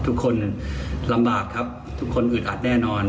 ทุกคนลำบากครับทุกคนอึดอัดแน่นอน